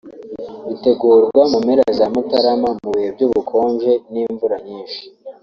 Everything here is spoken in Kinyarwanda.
ritegurwa mu mpera za Mutarama mu bihe by’ubukonje n’imvura nyinshi